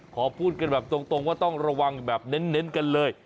ขอพูดกันแบบตรงว่าต้องระวังแบบเน้นกันเลย